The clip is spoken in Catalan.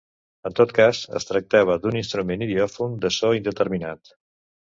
En tot cas, es tractava d'un instrument idiòfon de so indeterminat.